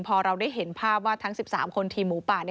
พอเราได้เห็นภาพว่าทั้ง๑๓คนทีมหมูป่า